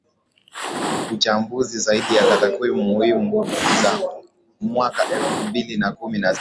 Uchambuzi zaidi za takwimu muhimu za mwaka elfu mbili na kumi na sita